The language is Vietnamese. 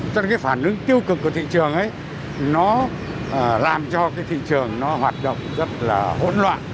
cho nên cái phản ứng tiêu cực của thị trường ấy nó làm cho cái thị trường nó hoạt động rất là hỗn loạn